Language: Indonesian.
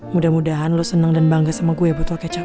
mudah mudahan lo seneng dan bangga sama gue botol kecap